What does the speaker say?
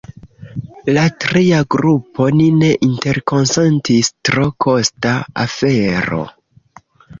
La tria grupo: “Ni ne interkonsentis – tro kosta afero!